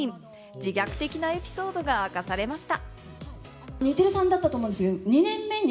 自虐的なエピソードが明かされました。